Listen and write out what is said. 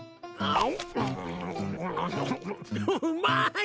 あうまい。